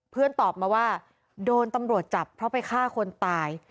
ตอบมาว่าโดนตำรวจจับเพราะไปฆ่าคนตาย